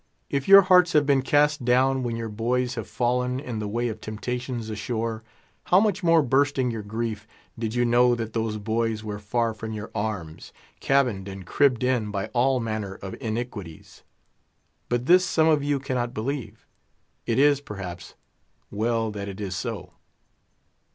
If your hearts have been cast down when your boys have fallen in the way of temptations ashore, how much more bursting your grief, did you know that those boys were far from your arms, cabined and cribbed in by all manner of iniquities. But this some of you cannot believe. It is, perhaps, well that it is so.